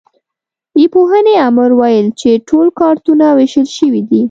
د پوهنې امر ویل چې ټول کارتونه وېشل شوي دي.